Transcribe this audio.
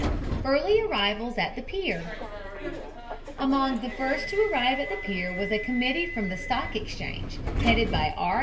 EARLY ARRIVALS AT PIER Among the first to arrive at the pier was a committee from the Stock Exchange, headed by R.